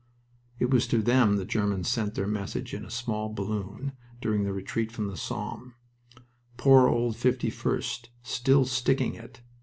It was to them the Germans sent their message in a small balloon during the retreat from the Somme: "Poor old 51st. Still sticking it!